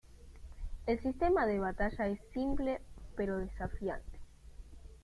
El sistema de batalla es simple pero desafiante.